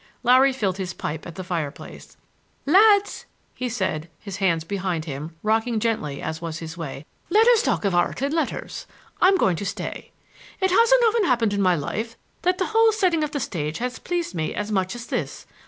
Larry filled his pipe at the fireplace. "Lads," he said, his hands behind him, rocking gently as was his way, "let us talk of art and letters,—I'm going to stay. It hasn't often happened in my life that the whole setting of the stage has pleased me as much as this.